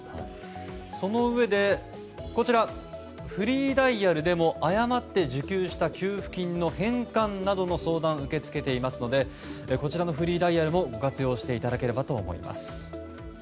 そのうえでこちらフリーダイヤルでも誤って受給した給付金の返還などの相談を受け付けていますのでこちらのフリーダイヤルもご活用していただければと思います。